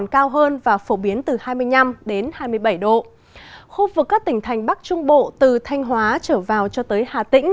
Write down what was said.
khu vực các tỉnh thành bắc trung bộ từ thanh hóa trở vào cho tới hà tĩnh